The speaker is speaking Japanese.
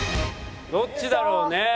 どっちだろうね？